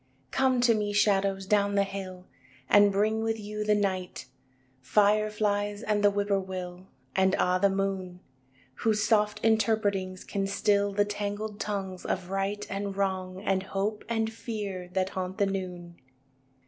II Come to me, shadows, down the hill And bring with you the night, Fire flies and the whippoorwill And ah, the moon Whose soft interpretings can still The tangled tongues of right And wrong, and hope and fear, that haunt the noon.